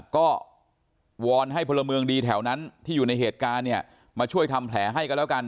ก็วอนให้พลเมืองดีแถวนั้นที่อยู่ในเหตุการณ์เนี่ยมาช่วยทำแผลให้กันแล้วกัน